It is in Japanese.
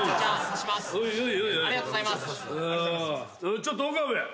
ちょっと岡部。